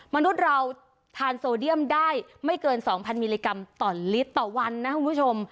มนุษย์เราทานโซเดียมได้ไม่เกิน๒๐๐มิลลิกรัมต่อลิตรต่อวันนะคุณผู้ชม